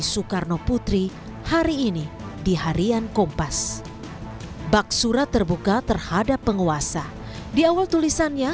soekarno putri hari ini di harian kompas bak surat terbuka terhadap penguasa di awal tulisannya